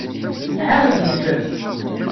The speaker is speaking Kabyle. Ɛawed-it.